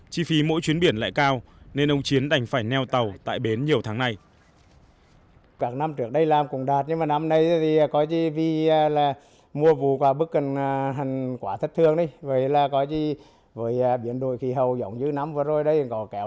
chi phí mỗi chuyến biển lại cao nên ông chiến đành phải neo tàu tại bến nhiều tháng này